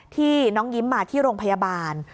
ที่น้องยิ้มมาที่โรงพยาบาล